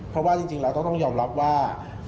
เพราะว่าจริงแล้วต้องยอมรับว่า